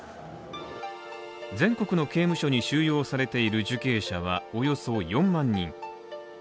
全国の刑務所に収容されている受刑者はおよそ４万人。